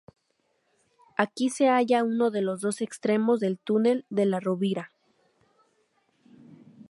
Aquí se halla uno de los dos extremos del túnel de la Rovira.